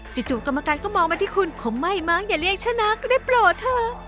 จู่กรรมการก็มองมาที่คุณผมไม่มั้งอย่าเรียกชนะก็ได้โปรดเถอะ